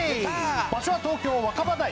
場所は東京若葉台。